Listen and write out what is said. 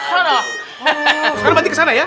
sekarang berarti ke sana ya